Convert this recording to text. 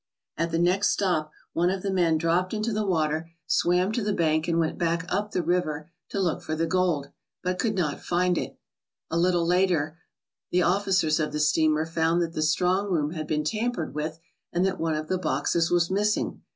At the next stop one of the men ALASKA OUR NORTHERN WONDERLAND dropped into the water, swam to the bank, and went back up the river to look for the gold, but could not find it. A little later the officers of the steamer found that the strong room had been tampered with and that one of the boxes was missing.